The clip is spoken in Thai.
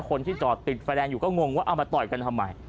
คนที่จอดติดไฟแดงอยู่ก็งงว่าเอามาต่อยกันทำไม